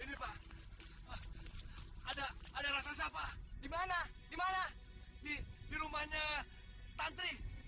ada ada ada ada ada ada di mana mana di rumahnya tantri